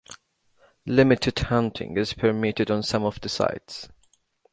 Limited hunting is permitted on some of the sites.